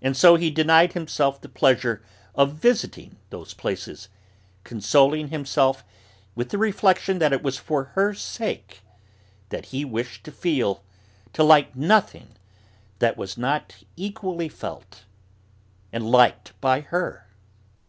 And so he denied himself the pleasure of visiting those places, consoling himself with the reflection that it was for her sake that he wished to feel, to like nothing that was not equally felt and liked by her.